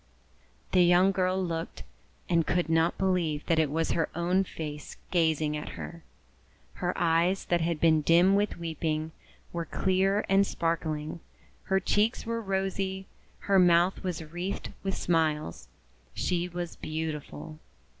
The young girl looked, and could not believe that it was her own face gazing at her. Her eyes, that had been dim with weeping, were clear and sparkling, her cheeks were rosy, her mouth was wreathed with smiles. She was beautiful.